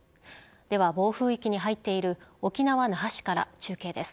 では、暴風域に入っている沖縄・那覇市から中継です。